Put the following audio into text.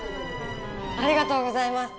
ありがとうございます！